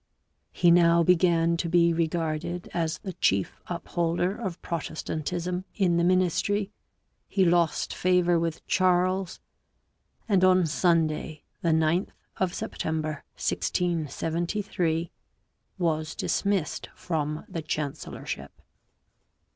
He now began to be regarded as the chief upholder of Protestantism in the ministry; he lost favour with Charles, and on Sunday, the 9th of September 1673, was dismissed from the chancellorship.